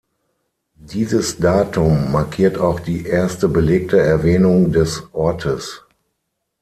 Dieses Datum markiert auch die erste belegte Erwähnung des Ortes.